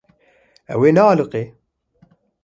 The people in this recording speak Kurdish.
Ew ê nealiqe.